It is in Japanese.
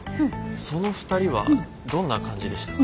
その２人はどんな感じでした？